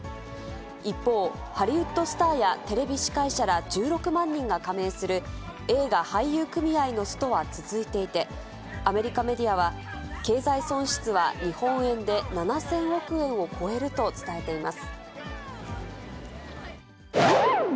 一方、ハリウッドスターやテレビ司会者ら１６万人が加盟する映画俳優組合のストは続いていて、アメリカメディアは、経済損失は日本円で７０００億円を超えると伝えています。